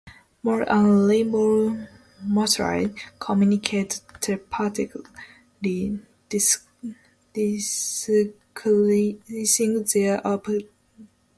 Moll and Rainbow Mothra communicate telepathically, discussing their options.